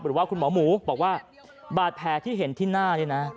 หรือว่าคุณหมอหมูบอกว่าบาดแผลที่เห็นที่หน้านี่นะ